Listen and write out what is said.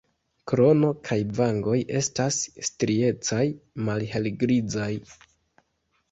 Krono kaj vangoj estas striecaj malhelgrizaj.